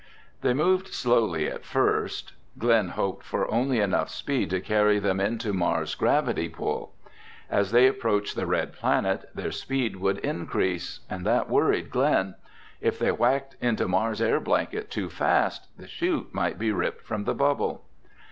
They moved slowly at first. Glen hoped for only enough speed to carry them into Mars' gravity pull. As they approached the red planet, their speed would increase and that worried Glen. If they whacked into Mars' air blanket too fast, the chute might be ripped from the bubble.